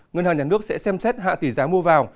ngân hàng nhà nước sẽ xem xét hạ tỷ giá mua vào